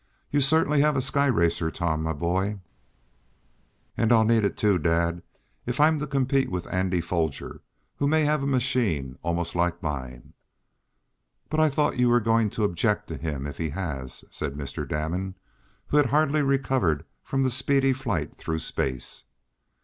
You certainly have a sky racer, Tom, my boy!" "And I'll need it, too, dad, if I'm to compete with Andy Foger, who may have a machine almost like mine." "But I thought you were going to object to him if he has," said Mr. Damon, who had hardly recovered from the speedy flight through space.